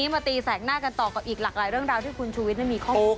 มาตีแสกหน้ากันต่อกับอีกหลากหลายเรื่องราวที่คุณชูวิทย์มีข้อมูล